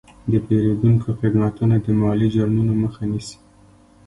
د پیرودونکو خدمتونه د مالي جرمونو مخه نیسي.